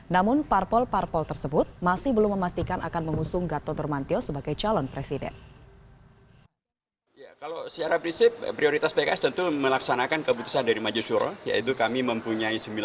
namun parpol parpol tersebut masih belum memastikan akan mengusung gatot nurmantio sebagai calon presiden